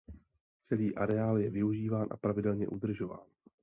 Celý areál je využíván a pravidelně udržován.